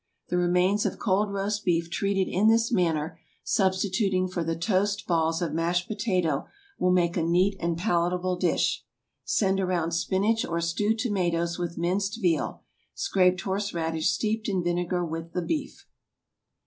The remains of cold roast beef treated in this manner, substituting for the toast balls of mashed potato, will make a neat and palatable dish. Send around spinach or stewed tomatoes with minced veal; scraped horseradish steeped in vinegar with the beef.